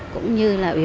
cũng như là bếp